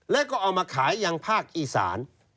แล้วก็เอามาขายอย่างภาคอีสาน